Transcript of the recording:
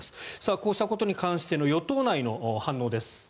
こうしたことに関しての与党内の反応です。